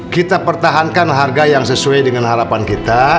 kita pertahankan harga yang sesuai dengan harapan kita